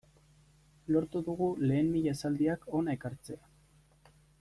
Lortu dugu lehen mila esaldiak hona ekartzea.